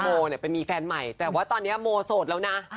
โมเนี่ยไปมีแฟนใหม่แต่ว่าตอนนี้โมโสดแล้วนะ